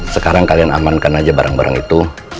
sekarang kalian amankan aja barang barang itu